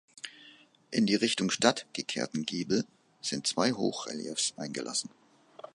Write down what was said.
In die Richtung Stadt gekehrten Giebel sind zwei Hochreliefs eingelassen.